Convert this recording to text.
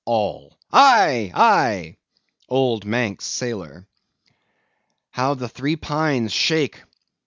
ALL. Aye! aye! OLD MANX SAILOR. How the three pines shake!